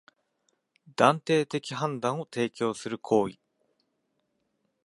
断定的判断を提供する行為